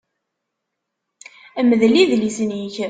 Mdel idlisen-ik!